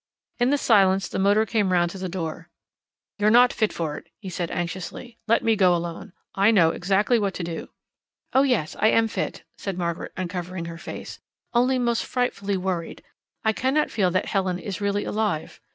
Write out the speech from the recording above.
In the silence the motor came round to the door. "You're not fit for it," he said anxiously. "Let me go alone. I know exactly what to do." "Oh yes, I am fit," said Margaret, uncovering her face. "Only most frightfully worried. I cannot feel that Helen is really alive.